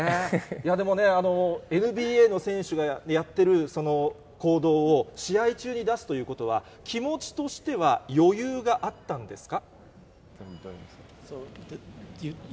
いやでも、ＮＢＡの選手がやってるその行動を、試合中に出すということは、気持ちとしては余裕があったんですか？